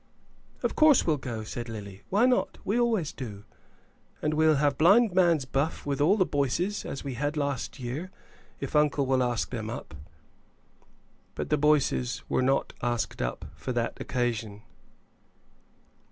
"Of course we'll go," said Lily; "why not? We always do. And we'll have blind man's buff with all the Boyces, as we had last year, if uncle will ask them up." But the Boyces were not asked up for that occasion.